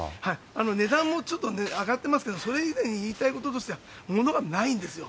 値段もちょっとね、上がってますけど、それ以前に言いたいこととしては、ものがないんですよ。